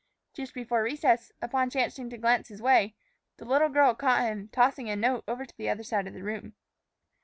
Just before recess, upon chancing to glance his way, the little girl caught him tossing a note over to the other side of the room.